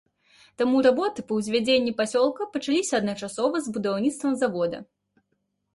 Таму работы па ўзвядзенні пасёлка пачаліся адначасова з будаўніцтвам завода.